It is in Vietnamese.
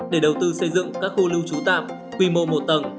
để đầu tư xây dựng các khu lưu trú tạm quy mô một tầng